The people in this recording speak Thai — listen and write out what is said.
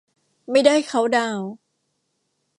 ไม่ได้เคานท์ดาวน์